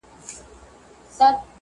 ستا دا رارا، زما دا نې نې.